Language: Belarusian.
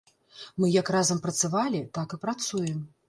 Мы як разам працавалі, так і працуем.